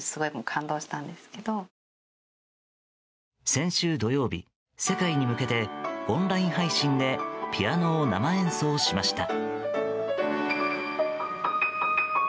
先週土曜日、世界に向けてオンライン配信でピアノを生演奏しました。